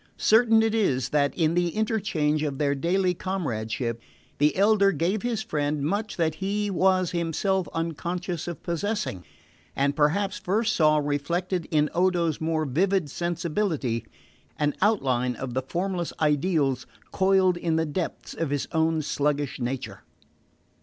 Certain it is that, in the interchange of their daily comradeship, the elder gave his friend much that he was himself unconscious of possessing, and perhaps first saw reflected in Odo's more vivid sensibility an outline of the formless ideals coiled in the depths of his own sluggish nature.